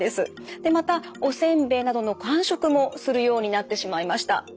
でまたお煎餅などの間食もするようになってしまいました。